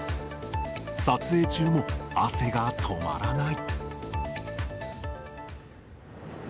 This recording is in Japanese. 撮影中も、汗が止まらない。